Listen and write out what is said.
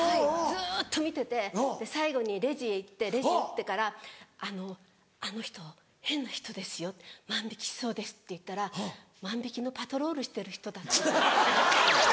ずっと見てて最後にレジへ行ってレジ打ってから「あのあの人変な人ですよ。万引しそうです」って言ったら万引のパトロールしてる人だったの。